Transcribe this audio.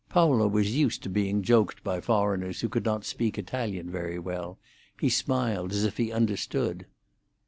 Paolo was used to being joked by foreigners who could not speak Italian very well; he smiled as if he understood.